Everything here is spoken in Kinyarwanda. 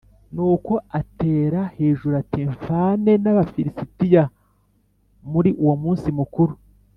Nuko atera hejuru ati mfane n abafilisitiya muri uwo munsi mukuru